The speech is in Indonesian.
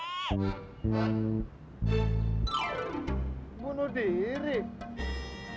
siapa yang bunuh diri tak